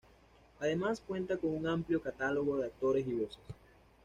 Además cuenta con un amplio catálogo de actores y voces.